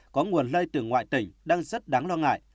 có nguồn lây từ ngoại tỉnh đang rất đáng lo ngại